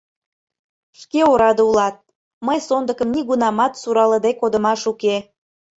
Шке ораде улат: мый сондыкым нигунамат суралыде кодымаш уке.